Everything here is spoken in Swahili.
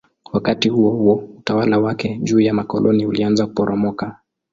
Wakati huohuo utawala wake juu ya makoloni ulianza kuporomoka.